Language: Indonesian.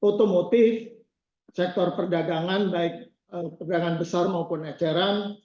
otomotif sektor perdagangan baik pegangan besar maupun eceran